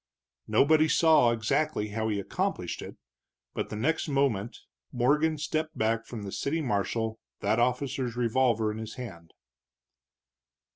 Nobody saw exactly how he accomplished it, but the next moment Morgan stepped back from the city marshal, that officer's revolver in his hand.